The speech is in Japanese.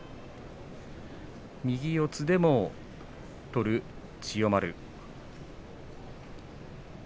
右四つでも取る千代丸。